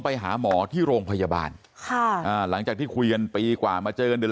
ไปหาหมอที่โรงพยาบาลค่ะอ่าหลังจากที่คุยกันปีกว่ามาเจอกันเดือน